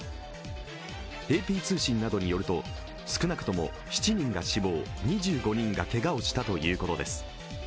ＡＰ通信などによると、少なくとも７人が死亡２５人がけがをしたということです。